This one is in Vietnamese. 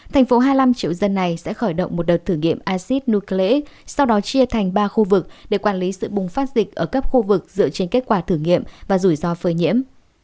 thành phố hai mươi năm triệu dân này sẽ khởi động một đợt thử nghiệm acid nucley sau đó chia thành ba khu vực để quản lý sự bùng phát dịch ở các khu vực dựa trên kết quả thử nghiệm và rủi ro phơi nhiễm